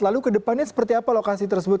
lalu kedepannya seperti apa lokasi tersebut